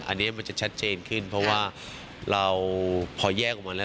อันนี้มันจะชัดเจนขึ้นเพราะว่าเราพอแยกออกมาแล้ว